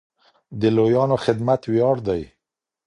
د لويانو خدمت وياړ دی.